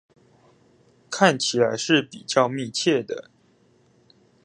看起來是比較密切的